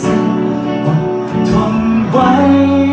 ต้องทนไว้